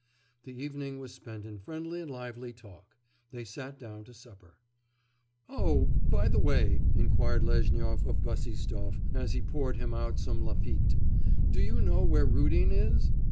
The evening was spent in friendly and lively talk. They sat down to supper. 'Oh, by the way,' inquired Lezhnyov of Bassistoff, as he poured him out some Lafitte, 'do you know where Rudin is?